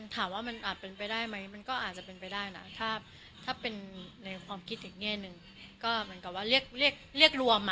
ก็มันถามว่ามันอาจเป็นไปได้ไหมมันก็อาจจะเป็นไปได้น่ะถ้าถ้าเป็นในความคิดอย่างเงี้ยหนึ่งก็เหมือนกับว่าเรียกเรียกเรียกรวมอ่ะ